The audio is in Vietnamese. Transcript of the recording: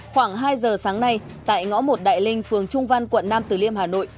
khoảng hai giờ sáng nay tại ngõ một đại linh phường trung văn quận nam từ liêm hà nội